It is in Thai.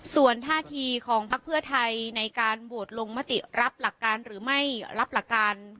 ส่วนท่าทีของพักเพื่อไทยในการโหวตลงมติรับหลักการหรือไม่รับหลักการ